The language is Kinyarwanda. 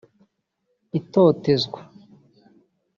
itotezwa